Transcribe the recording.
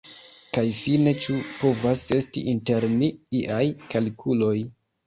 Kaj fine, ĉu povas esti inter ni iaj kalkuloj?